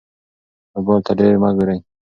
موبایل ته ډېر مه ګورئ.